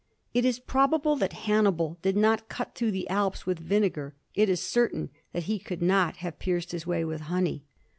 It is probable that Hannibal did not cnt through the Alps with vinegar ; it is certain that he could not have pierced his way with honey.